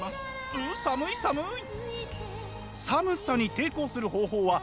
う寒い寒い！